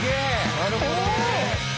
なるほどね！